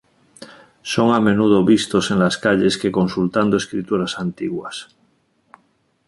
Son a menudo vistos en las calles que consultando escrituras antiguas.